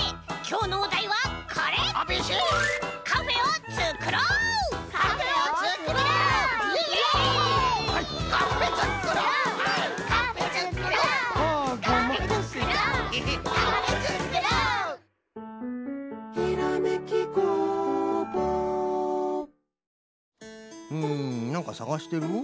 うんなんかさがしてる？